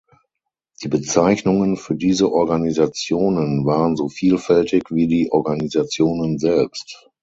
Die Bezeichnungen für diese Organisationen waren so vielfältig wie die Organisationen selbst.